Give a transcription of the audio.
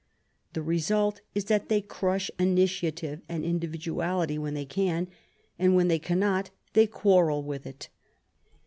The result is that they crush initiative and individuality when they can, and when they cannot, they quarrel with it.